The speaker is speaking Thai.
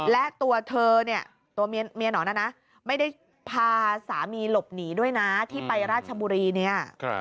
และตัวเธอเนี่ยตัวเมียหนอนนะนะไม่ได้พาสามีหลบหนีด้วยนะที่ไปราชบุรีเนี่ย